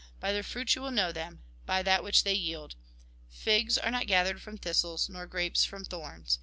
By their fruits will you know them ; by that which they yield. Figs are not gathered from thistles, nor grapes from thorns.